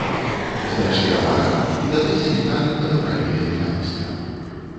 Знайшлі апарат, і тады санітары падабралі тэлефаніста.